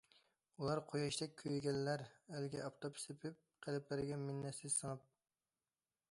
ئۇلار قۇياشتەك كۆيگەنلەر، ئەلگە ئاپتاپ سېپىپ، قەلبلەرگە مىننەتسىز سىڭىپ.